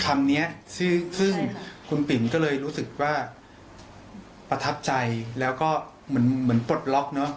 คำนี้ซึ่งคุณปิ๋มก็เลยรู้สึกว่าประทับใจแล้วก็เหมือนปลดล็อกเนอะ